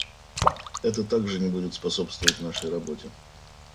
Это также не будет способствовать нашей работе.